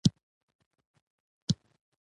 څوک یې ناروغانو ته د مرګ په وخت کې ورکوي.